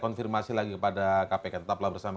konfirmasi lagi kepada kpk tetaplah bersama